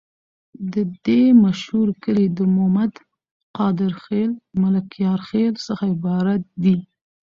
د دي درې مشهور کلي د مومد، قادر خیل، ملکیار خیل څخه عبارت دي.